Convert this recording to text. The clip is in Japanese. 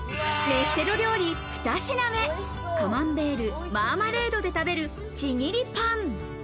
飯テロ料理２品目、カマンベール、マーマレードで食べるちぎりパン。